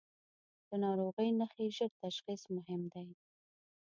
د ناروغۍ نښې ژر تشخیص مهم دي.